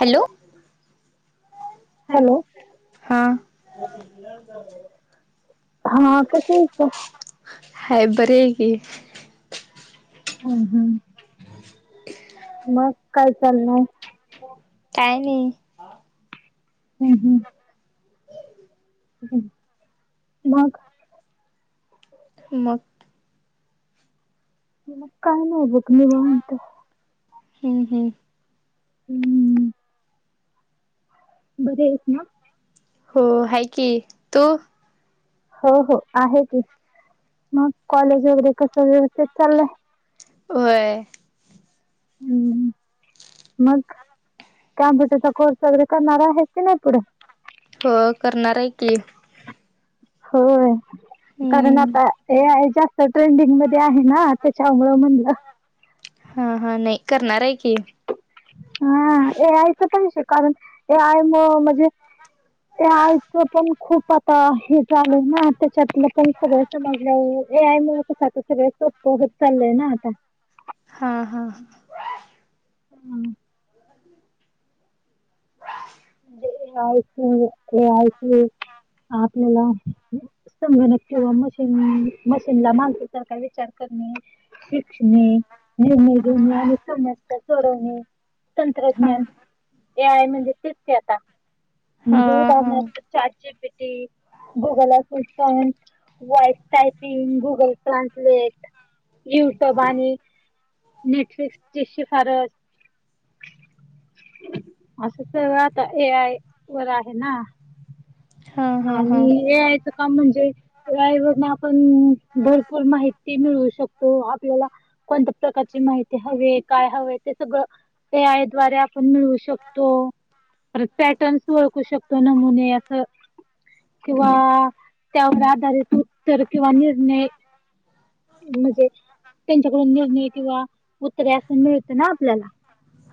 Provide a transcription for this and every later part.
Hello hello हा हा कशी आहेस ग. हा बर आहे की. हम् हम् मग काय चाललय. हम्म हम्. हम्म मग. मग. मग काय नाही बघ निवांत. हम्म हम्म. हम्म. बरे आहेत ना. हो आहे की तू? हो हो आहे की मग कॉलेज वगैरे कस व्यवस्थित चाललंय? होय. हम्म मग कम्प्युटरचा कोर्स वगैरे करणार आहे की नाही पुढे? हो करणार आहे की. होय कारण हम्म आता हे आहे जास्त ट्रेंडिंग मध्ये आहे ना त्याच्यामुळ म्हणलं. हा हा नाही करणार आहे. की हा ए आयच पण कारण ए आय म म्हणजे ते आईच पण खूप आता हे झाल ना त्याच्यात पण सगळ समजलं. ए आय मूळ कस आता सगळ सोप होत चालय ना आता. हा हां हम्म म्हणजेच हे आच आपल्याला [unintelligible] संगणक किंवा मशीन मशीनला माणसासारख विचार करणे शिक्षणे. निर्णय घेणे आणि समस्या सोडवणे हा तंत्रज्ञान ए आय म्हणजे. ते आता म्हणजे हा हा हा राहणार चारची पेटी. गुगल अूशन voice typing Google translate. YouTube आणि नेटफ्लिक्सची शिफारस. [inaudible] सगळं आता ए आय वर आहे ना हा हा आणि ए आयच का म्हणजे ड्रायवरने आपण भरपूर माहिती मिळवू शकतो. आपल्याला कोणत्या प्रकारची माहिती हवी काय हवे ते सगळं ए आय द्वारे आपण मिळवू शकतो. [unintelligible] पॅटर्नस ओळखू शकतो नमुने असं किंवा त्यावर आधारित उत्तर किंवा निर्णय म्हणजे त्यांच्याकडून निर्णय किंवा उत्तरे असं मिळतं ना आपल्याला.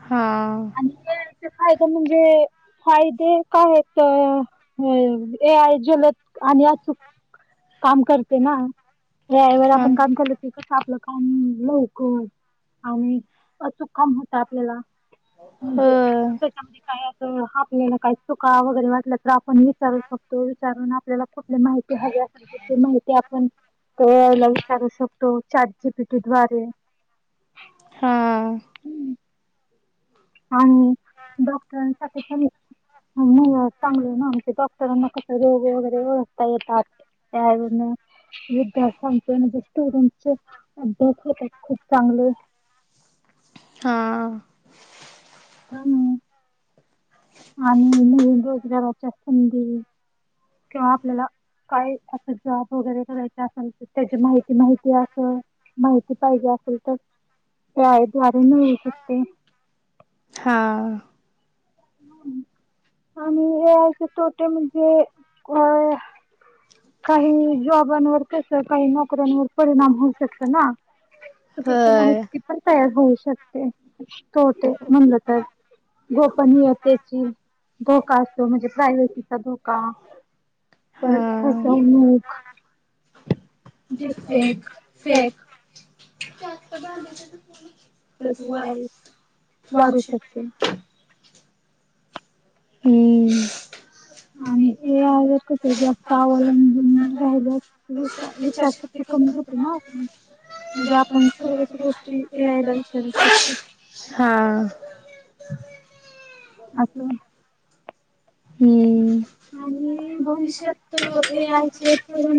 हां हाय काय म्हणजे फायदे काय हेच ए आय जलद आणि अचूक काम करते ना व्याळेवर हा आपण काम केलं क कस आपलं काम लवकर आणि अचूक काम होतं आपल्याला म्हणजे हो त्याच्यामध्ये काय अस ह आपल्याला काही चुका वगैरे वाटल्या तर आपण विचारू शकतो विचारून आपल्याला कुठली माहिती हवी ते माहिती आपण ते याला विचारू शकतो जीपीटी द्वारे हा हम्म आणि डॉक्टरांसाठी नाही चांगलं आहे ना आमच्या डॉक्टरांना कसा रोग वगैरे ओळखता येतात. त्या विद्यार्थ्यांचे म्हणजे स्टुडन्ट च अभ्यास होतात खूप चांगले. हां हम्म. आणि नवीन रोजगार संधी. किंवा आपल्याला काय असं जॉब वगैरे करायचे असेल त्याची माहिती. माहिती अस माहिती पाहिजे असेल तर. एक आय द्वारे मिळू शकते. हां आणि हे असे तोटे म्हणजे अ काही जॉबांवर तस काही नोकऱ्यांवर परिणाम होऊ शकत ना. चुकीची होय माहिती पण तयार होऊ शकते तो ते म्हणलं तर. गोपनीय त्याची धोका असतो म्हणजे प्रायव्हसी चा धोका हा परखा समुख एक एक जास्त भांडी त्याच वाडू शकते हम्म आणि जर कता अवलंबून राहिल्या विचार ते कमी होते ना म्हणजे आपण सर्वच गोष्टी ए आय ला विचारूतो हा आत हम्म आणि भविष्यात वगैरे शेतकरी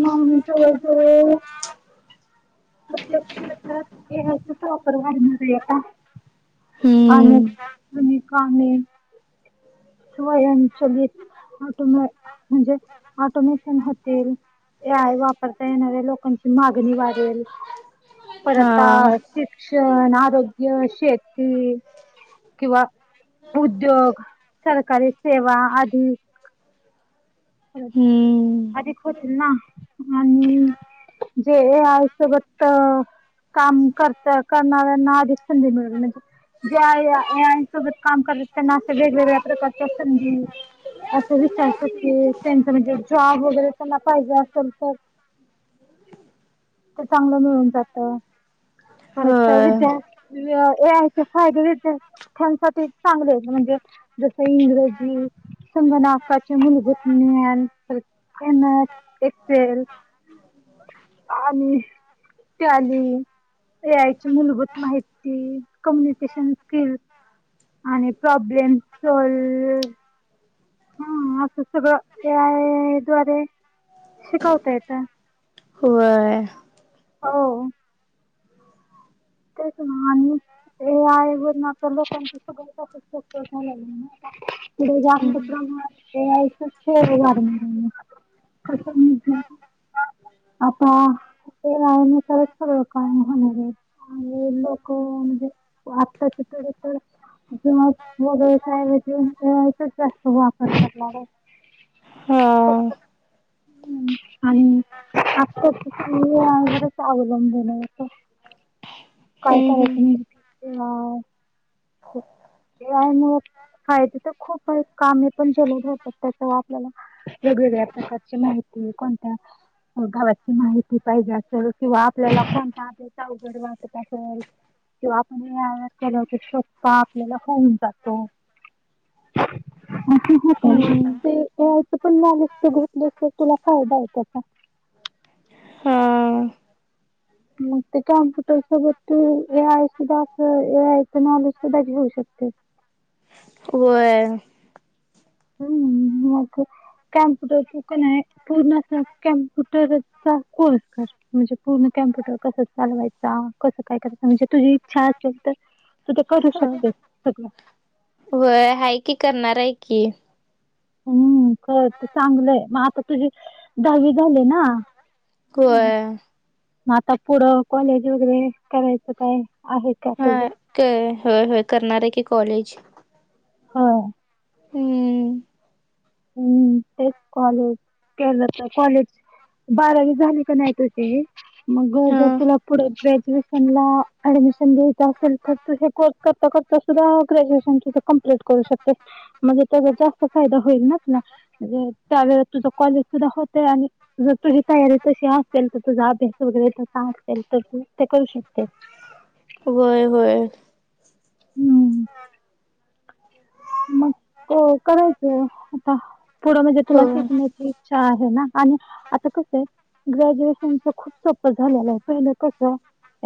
प्रत्यक्षेत्रात येयचाच वापर वाढणार आहे आता [inaudible] हम्म आणिनेनेिकने स्वयंचलित ऑटोम म्हणजे ऑटोमेशन होतील एआय वापरता येणाऱ्या लोकांची मागणी वाढेल पर हा आता शिक्षण आरोग्य शेती किंवा उद्योग सरकारी सेवा आधिक हम्म अधिक होतील ना आणि जे ए आय सोबत काम करत करणाऱ्यांना अधिक संधी मिळेल म्हणजे ए आय सोबत काम करत त्यांना असे वेगवेगळ्या प्रकारच्या संधी मिळतील असं विचारत की त्यांचं म्हणजे जॉब वगैरे त्यांना पाहिजे असेल तर तर चांगलं मिळून जात परत होय विद्या या यायचे फायदेेत त्यांसाठी चांगले म्हणजे. इंग्रजी संगनाकाच्या मूलभूत्. केन एक्सेल आणि टॅली, ए आयची मूलभूत माहिती, कम्युनिकेशन स्किल्स. आणि प्रॉब्लेम सॉल्व. हम्म असं सगळं ए आय, दवारे शिकवता येत. होय. हो, ते च ना आणि, ए आय वरून आता लोकांच्या सगळे [unintelligible] पुढे जास्त प्रमाणय ए आय, शेार म. आता तेनसच खर काम होणारे. लोक म्हणजे वापताच. ज वगैरे काय म्हजेच जास्त वापर करणार आहे. हम. ह् आणि आत्ता अवलंबून. काय हम्म हम्म करायच ते म. फायदे तर खूप कामे पण जलद होतात त्या आपल्याला वेगवेगळ्या प्रकारचे. मा कोणत्या. गावची माहिती पाहिजे असल किंवा आपल्याला कोणता आपल्याचा अवघड वाच असेल. किंवा आपण हे आ केलंत शत. आपल्याला होऊन जातो. हम्म [unintelligible] पण म दिसत घेतसत तुला फायदा आहे त्याचा. हा म कॉम्प्युटर सोबत तू ए आयसधा, अस ए आयस नॉलेजधा होऊ शकते. त. [unintelligible] वय. हम्म मग कॅम्प्युटर कन्या पण आहे पूर्ण कम्पु चा कोर्स कर म्हणजे पूर्ण कम्प्युटर, कस चालवायचा कसं काय करायचा म्हणजे. तुझी इच्छा असेल तर, तू ते करू शकतेस सगळं. व हाय कि करणार आहे की. हम्म खळत चांगलंय मग आता तुझी दहावी झाली ना. होय हम्म, मग आता पुढं कॉलेज वगैरे करायचं काय? आहे का हा तुझं होय होय करणार आहे की कॉलेज. होय. हम्म! हम्म तेच कॉलेज केलं, तर कॉलेज बारावी झाली का नाही तुझी, मग हा जर तुला पुढे ग्रॅज्युएशन ला ऍडमिशन द्यायच, असेल तर तु करता करता सुद्धा ग्रॅज्युएशन कमप्लीट करू शकते, म्हणजे त्याचा जास्त फायदा होईलना, म्हणे त्या वळेस तुझं कॉलेज सुद्धा होते आणि. जर तुझी तयारी तशी असेल, तर तुझा अभ्यास वगैरे तसा असेल तर तू ते करू शकतेस. [unintelligible] होय होय. हम्म. हा. मग त करायचं आता, पुढं म्हणजे तुला होय शिकण्याची इच्छा आहे ना, आणि आता कस आहे. ग्रॅज्युएशनच खूप सोपं झालेलं आहे, पहिलं कस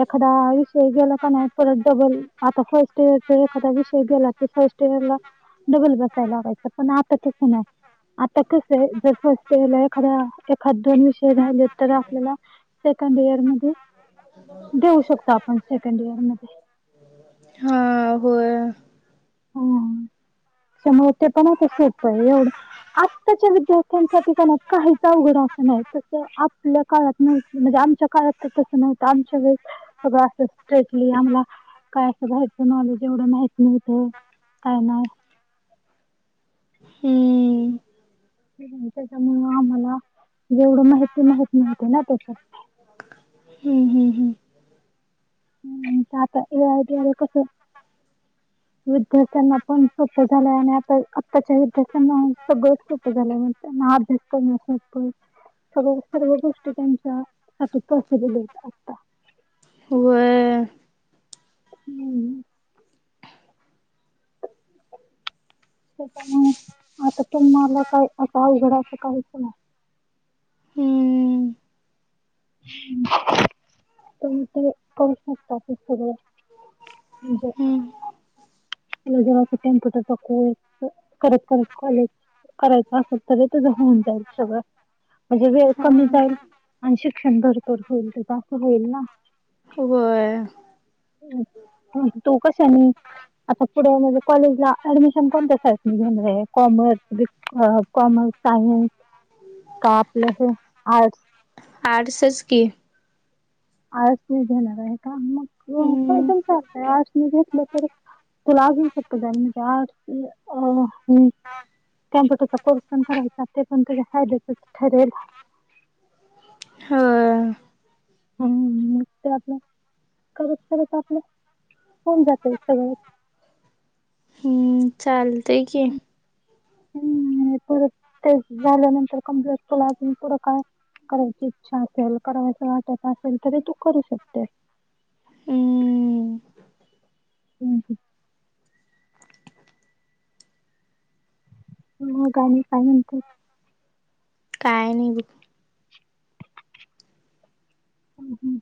एखादा आयुष ते गेलं का नाही परत डबल आता फर्स्ट इ एखादा विषय गेला की फास्टईयर, डबल बसायला लागयचं पण आता तस नाही. आ त कसे जस, एखा्या एखाद दोन विषय राले तर आपल्याला सेकंड इयर मध्ये जाऊ शकतो, आपण सेकंड इयर मध्ये. हा होय. हम! त्यामुळे ते पण सोपं एवढं आत्ताच्या विद्यार्थ्यांसाठी का नाही काहीच अवघड स आपल्या काळात म्हणजे, आमच्या काळात तस नव्हतं आमच्या वेळी सळं स्ट्रेटली आमला काय असं व्हायचं नॉलेज एवढं माहत नव्हतं. काय नाय. हम्म त्याच्यामुळं आम्हाला जेवढं माहिती माहित नव्हते ना त्याच्या हम्म हम्म हम्म हम् आता ए आय दवरे कसं, विद्यार्थ्यांना पण सोपं झालंय, आणि आताच्या विद्यार्थ्यांना सगळं सोपं झालं. मगं अभ्यास करण सोप्प आहे. सगळ सर्व गोष्टी त्यांच्या सा पॉसिबल य आता. हो. हम्म! त्या आता तुम्हाला काय अस अवघडाचं काहीच नाही. हम्म! हम्म! [inaudible] तुम्ही ते करू शकता अस सगळं म्हणजे हम्म तला जव अस कम्प्युटरचा कोर्स करत करत कॉलेज करायचं असल तर तूझ होऊन जाईल सगळं. म्हणजे वेळ हा कमी जाईल, आणि शिक्षण भरपूर होईल, तुझं असं होईल ना. होय. तू कशनी पुढे म्हणजे कॉलेजला ऍडमिशन कोणतस साईटनी घेणारे कॉमर्स कॉमर्स सायन्स का आपलं हे आर्टस्. आर्टस् च की. आर्टस् च घेणारे. मग काद हम्म चालतय आर्टस मी घेतलं तर तूला अजून सोपं ‌जाईल, म्हणजे आर्टस. [inaudible] हा. कम्प्युटरचा कोर्स पण करायचा, ते पण तुझ फायद्याचच ठरेल. होय. हम्म. मग ते आपलं करत करत आपलं. होऊन जातय सगळ्. चालतेय की. हम्म परत ते झाल्यानंतर कॅम्पुटर क्लास अन पुढे काय? करायची इच्छा असेल करायचं वाटत असेल तरी तू करू शकतेस. हम्म हम्म. मगं आणि काय म्हणते? काय नाही बघ. हम्म हम्म.